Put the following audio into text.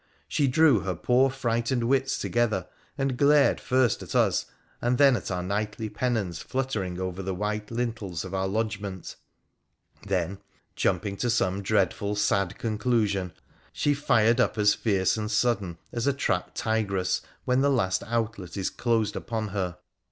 She drew her poor frightened wits together and glared first at us, and then at our knightly pennons fluttering over N I?8 WONDERFUL ADVENTURES OF the white lintels of our lodgment ; then, jumping to some dreadful, sad conclusion, she fired up as fierce and sudden as a trapped tigress when the last outlet is closed upon her.